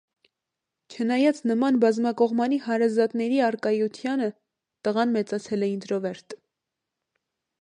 Չնայած նման բազմակողմանի հարազատների առկայությանը, տղան մեծացել է ինտրովերտ։